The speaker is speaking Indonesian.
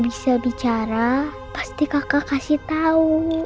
bisa bicara pasti kakak kasih tahu